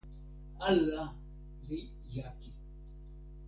ala li jaki.